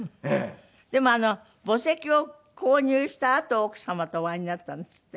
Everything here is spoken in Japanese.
でも墓石を購入したあと奥様とお会いになったんですって？